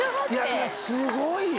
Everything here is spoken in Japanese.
いやすごいよ！